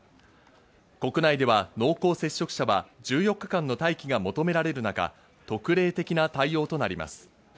国内では濃厚接触者は１４日間の待機が求められる中、特例的な対応となります。